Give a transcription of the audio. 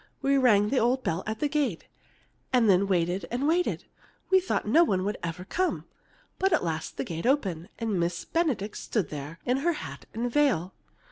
We rang the old bell at the gate, and then waited and waited. I thought no one would ever come. But at last the gate opened, and Miss Benedict stood there in her hat and veil.